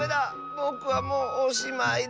ぼくはもうおしまいだ。